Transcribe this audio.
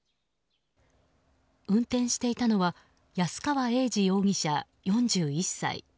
運転していたのは安川英司容疑者、４１歳。